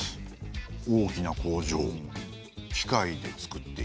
大きな工場機械で作っている。